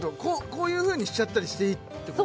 こういうふうにしちゃったりしていいってこと？